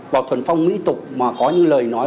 vào thuần phong mỹ tục mà có những lời nói